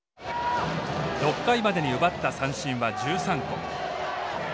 ６回までに奪った三振は１３個。